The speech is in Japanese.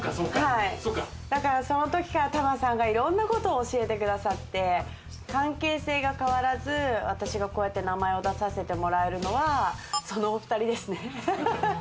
だからそのときから玉さんがいろんなことを教えてくださって関係性が変わらず、私が、こうやって名前を出させてもらえるのはそのお２人ですね。